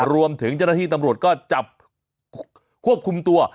รวมถึงเจ้าหน้าที่ตำรวจก็จับควบคุมตัว